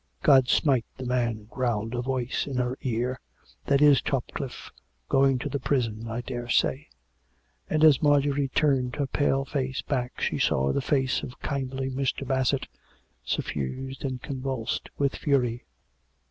" God smite the man !" growled a voice in her ear. " That is Topcliffcj going to the prison, I daresay." And as Marjorie turned her pale face back, she saw the face of kindly Mr. Bassett, suffused and convulsed with fury.